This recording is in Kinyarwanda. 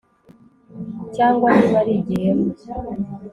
cyangwa niba ari igihemu